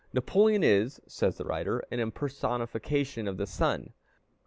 Napoleon is, says the writer, an impersonification of the sun.